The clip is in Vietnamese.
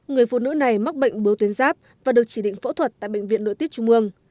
người phụ nữ này mắc bệnh bưu tuyến giáp và được chỉ định phẫu thuật tại bệnh viện nội tiết trung ương